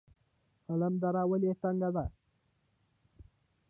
خلم دره ولې تنګه ده؟